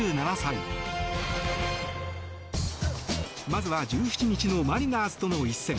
まずは１７日のマリナーズとの一戦。